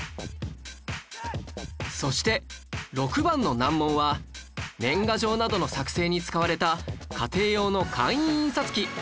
そして６番の難問は年賀状などの作成に使われた家庭用の簡易印刷機